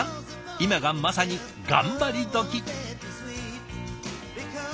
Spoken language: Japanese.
今がまさに頑張り時。